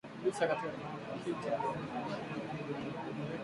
Visa vya kititi huongezeka kadri umri unavyoongezeka